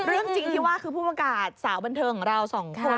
เรื่องจริงที่ว่าคือผู้ประกาศสาวบันเทิงของเราสองคน